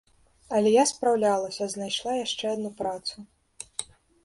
Але я спраўлялася, знайшла яшчэ адну працу.